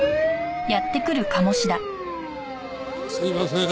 すいませーん。